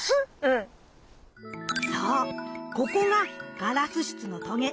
そうここがガラス質のトゲ。